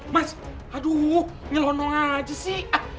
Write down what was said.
mas aduh nyelonong aja sih